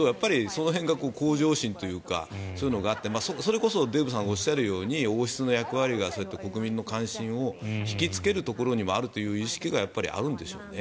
その辺が向上心があるというかそういうのがあって、それこそデーブさんがおっしゃるように王室の役割がそうやって国民の関心を引きつけるところにもあるという意識がやっぱりあるんでしょうね。